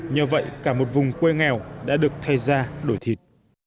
nhờ vậy cả một vùng quê nghèo đã được thay ra đổi thịt